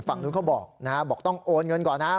ฝั่งนู้นเขาบอกนะฮะบอกต้องโอนเงินก่อนนะครับ